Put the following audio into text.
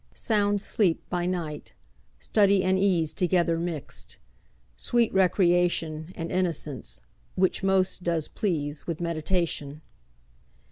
Sound sleep by night; study and ease Together mixed; sweet recreation, And innocence, which most does please With meditation.